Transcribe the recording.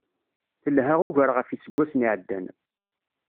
Telḥa ugar ɣef yiseggasen iεeddan.